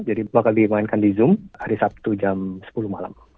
jadi bakal dimainkan di zoom hari sabtu jam sepuluh malam